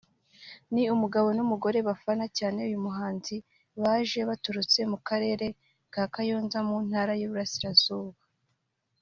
ni umugabo n’umugore bafana cyane uyu muhanzikazi baje baturutse mu karere ka Kayonza mu Ntara y’Uburasirazuba